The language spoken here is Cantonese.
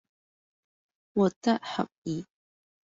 活得合意